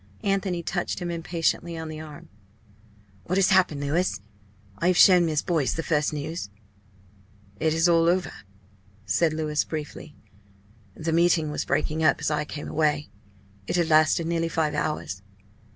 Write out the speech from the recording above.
Anthony touched him impatiently on the arm. "What has happened, Louis? I have shown Miss Boyce the first news." "It is all over," said Louis, briefly. "The meeting was breaking up as I came away. It had lasted nearly five hours.